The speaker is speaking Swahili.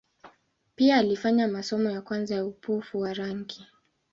Pia alifanya masomo ya kwanza ya upofu wa rangi.